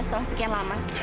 setelah sekian lama